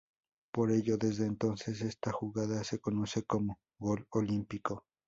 Por ello desde entonces esta jugada se conoce como "gol olímpico".